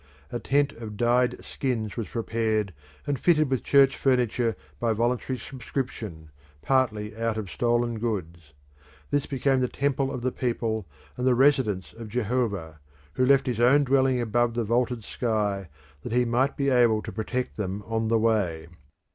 A tent of dyed skins was prepared and fitted with church furniture by voluntary subscription, partly out of stolen goods. This became the temple of the people and the residence of Jehovah, who left his own dwelling above the vaulted sky that he might be able to protect them on the way.